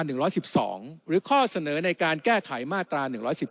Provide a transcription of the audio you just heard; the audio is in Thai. หรือข้อเสนอในการแก้ไขมาตรา๑๑๒